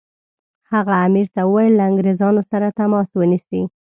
هغه امیر ته وویل له انګریزانو سره تماس ونیسي.